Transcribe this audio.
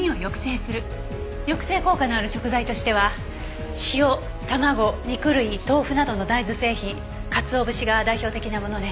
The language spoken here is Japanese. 抑制効果のある食材としては塩卵肉類豆腐などの大豆製品かつお節が代表的なものね。